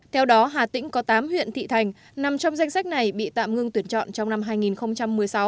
theo đó hà tĩnh có tám huyện thị thành nằm trong danh sách này bị tạm ngưng tuyển chọn trong năm hai nghìn một mươi sáu